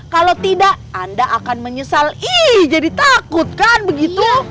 kalau tidak anda akan menyesal ih jadi takut kan begitu